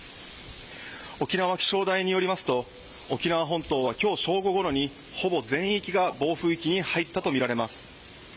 沖縄気象台によりますと沖縄本島は今日正午ごろにほぼ全域が暴風域に入ったとみられます。